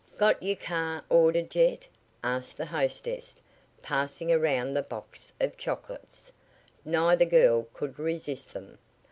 "Got your car ordered yet?" asked the hostess, passing around the box of chocolates. Neither girl could resist them.